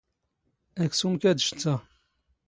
ⴰⴽⵙⵓⵎ ⴽⴰ ⴰⴷ ⵛⵜⵜⴰⵖ.